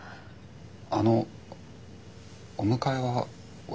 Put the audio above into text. あのお迎えは俺が。